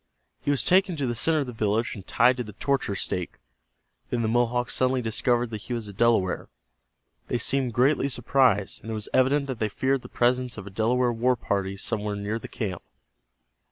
He was taken to the center of the village and tied to the torture stake. Then the Mohawks suddenly discovered that he was a Delaware. They seemed greatly surprised, and it was evident that they feared the presence of a Delaware war party somewhere near the camp.